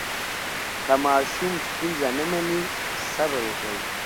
که ماشوم ستونزه نه مني، صبر وکړئ.